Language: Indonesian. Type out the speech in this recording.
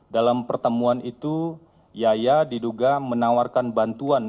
dalam pertemuan itu yaya diduga menawarkan bantuan